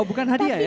oh bukan hadiah ya